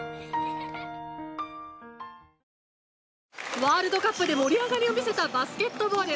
ワールドカップで盛り上がりを見せたバスケットボール。